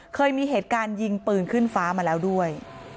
เคยมีเหตุการณ์ยิงปืนขึ้นฟ้ามาแล้วด้วย